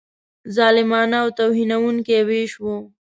ظالمانه او توهینونکی وېش وو.